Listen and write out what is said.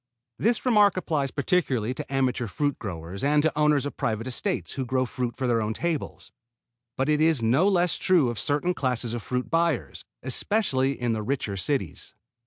This remark applies particularly to amateur fruit growers and to owners of private estates who grow fruit for their own tables, but it is no less true of a certain class of fruit buyers, especially in the richer cities.